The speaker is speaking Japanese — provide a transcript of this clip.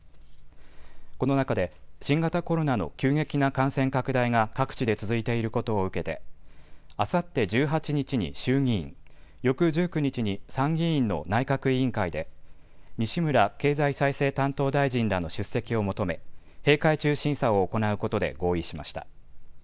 この中で新型コロナの急激な感染拡大が各地で続いていることを受けてあさって１８日に衆議院、翌１９日に参議院の内閣委員会で西村経済再生担当大臣らの出席を求め閉会中審査を行うことで合意しました。